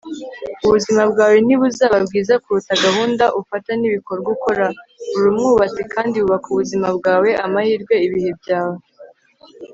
ubuzima bwawe ntibuzaba bwiza kuruta gahunda ufata nibikorwa ukora. uri umwubatsi kandi wubaka ubuzima bwawe, amahirwe, ibihe byawe